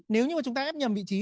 nếu như chúng ta ép nhầm vị trí